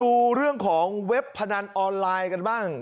ดูเรื่องของเว็บพนันออนไลน์กันบ้าง